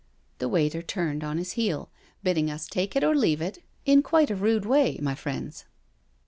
The waiter turned on his heel, bidding us take it or leave it in quite a rude way, my friends."